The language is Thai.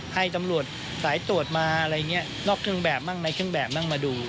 ให้ตำรวจสายตรวจมาอะไรอย่างนี้นอกเครื่องแบบมั่งในเครื่องแบบบ้างมาดู